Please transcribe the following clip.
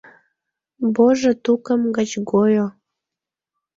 Божо тукым гыч гойо.